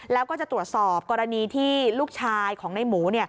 แล้วก็จะตรวจสอบกรณีที่ลูกชายของในหมู